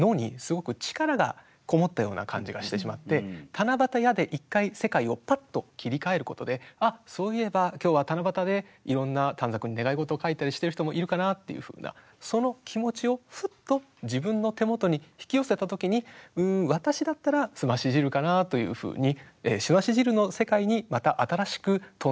「七夕や」で一回世界をぱっと切り替えることであっそういえば今日は七夕でいろんな短冊に願い事を書いたりしてる人もいるかな？っていうふうなその気持ちをふっと自分の手元に引き寄せた時に「うん私だったらすまし汁かな？」というふうにすまし汁の世界にまた新しく飛んでいく。